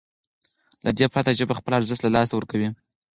له دې پرته ژبه خپل ارزښت له لاسه ورکوي.